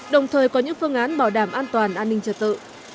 đồng thời có những phương án bảo đảm an toàn an ninh trật tự